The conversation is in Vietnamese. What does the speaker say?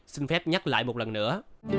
xin phép nhắc lại một lần nữa